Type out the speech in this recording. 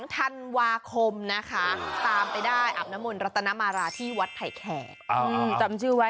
๒ธันวาคมนะคะตามไปได้อาบน้ำมนต์รัตนมาราที่วัดไผ่แขกจำชื่อไว้